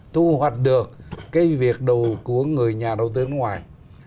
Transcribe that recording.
thu hoạch được cái việc đồ của người nhà đầu tư nước ngoài